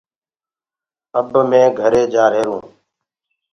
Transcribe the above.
اب مي گھري جآهيرونٚ